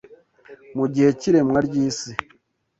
Mu gihe cy’iremwa ry’isi